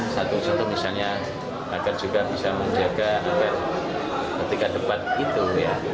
satu satu misalnya agar juga bisa menjaga agar ketika debat itu ya